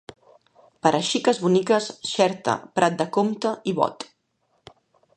Per a xiques boniques, Xerta, Prat de Comte i Bot.